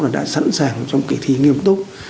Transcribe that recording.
và đã sẵn sàng trong kỳ thi nghiêm túc